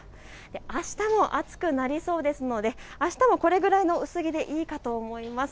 あしたも暑くなりそうですのであしたもこれぐらいの薄着でいいかと思います。